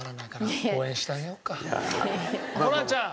ホランちゃん。